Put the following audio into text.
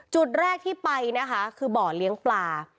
จุดแรกที่ไปนะคะคือบ่อเลี้ยงปลา